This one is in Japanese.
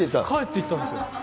帰っていったんですよ。